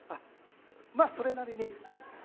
まあ、それなりに。